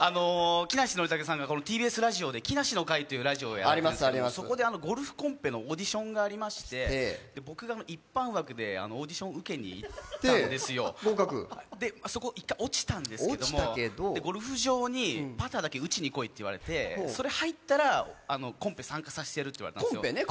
木梨憲武さんがＴＢＳラジオで「木梨の会」というのをやっていてそこでゴルフコンペのオーディションがありまして、僕が一般枠でオーディションを受けに行ったんですよ、そこ、一回落ちたんですけれどもゴルフ場にパターだけ打ちにこいって言われて、それ入ったらコンペ参加させてやるって言われたんですよ。